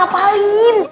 kursi tau kemana ngapain